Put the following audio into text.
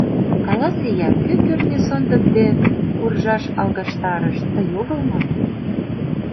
Каласе-я, кӧ кӱртньӧ сондык дек куржаш алгаштарыш, тый огыл мо?